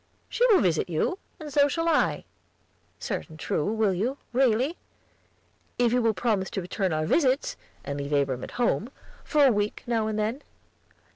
"She will visit you, and so shall I." "Certain true, will you, really?" "If you will promise to return our visits, and leave Abram at home, for a week now and then."